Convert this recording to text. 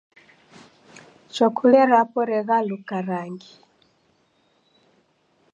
Chwakule rapo reghaluka rangi.